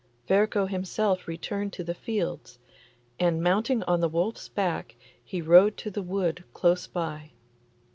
Ferko himself returned to the fields, and mounting on the wolf's back he rode to the wood close by.